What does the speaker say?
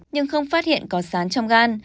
nhưng không phát hiện có sán trong gan